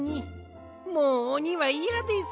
もうおにはいやです。